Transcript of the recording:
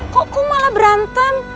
kok malah berantem